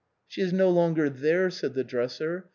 " She is no longer there," said the dresser.